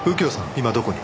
今どこに？